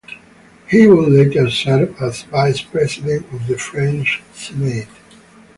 He would later serve as vice-president of the French Senate.